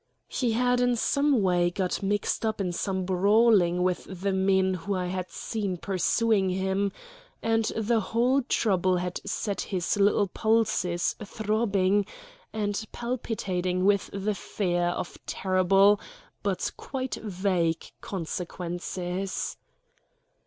He had in some way got mixed up in some brawling with the men who I had seen pursuing him, and the whole trouble had set his little pulses throbbing and palpitating with the fear of terrible but quite vague consequences.